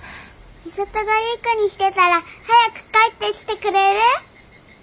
美里がいい子にしてたら早く帰ってきてくれる？